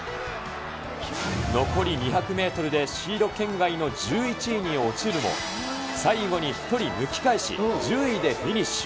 残り２００メートルでシード圏外の１１位に落ちるも、最後に１人抜き返し、１０位でフィニッシュ。